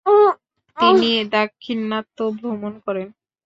তিনি দাক্ষিনাত্য ভ্রমণ করেন।